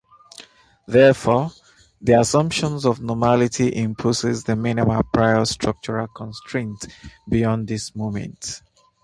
Therefore, the assumption of normality imposes the minimal prior structural constraint beyond this moment.